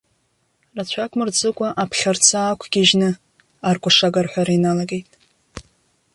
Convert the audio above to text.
Рацәак мырҵыкәа аԥхьарца аақәгьежьны аркәашага арҳәара иналагеит.